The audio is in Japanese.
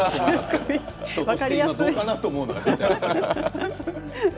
人としてどうかなと思うところが出ちゃいましたけれども。